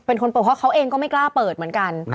เป็นคนเปิดเพราะเขาเองก็ไม่กล้าเปิดเหมือนกัน